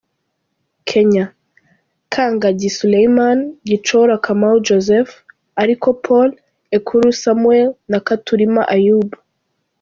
Kenya: Kangangi Suleiman, Gichora Kamau Joseph, Ariko Paul, Ekuru Samuel and Kathurima Ayub.